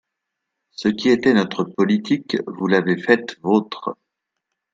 Ce qui était notre politique, vous l’avez faite vôtre.